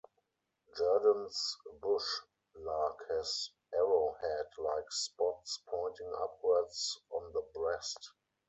Jerdon's bush lark has arrowhead-like spots pointing upwards on the breast.